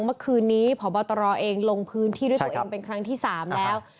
เมื่อคืนนี้พบตรเองลงพื้นที่ด้วยตัวเองเป็นครั้งที่๓แล้ว